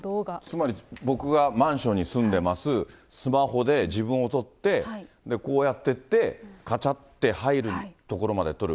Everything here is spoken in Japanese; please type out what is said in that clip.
つまり、ぼくがマンションに住んでます、スマホで自分を撮って、こうやってって、かちゃって入るところまで撮る。